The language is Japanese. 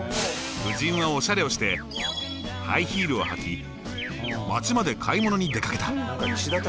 夫人はおしゃれをしてハイヒールを履き街まで買い物に出かけた。